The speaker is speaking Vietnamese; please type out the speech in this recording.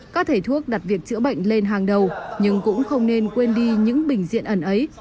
các thầy thuốc đặt việc chữa bệnh lên hàng đầu nhưng cũng không nên quên đi những bình diện ẩn ấy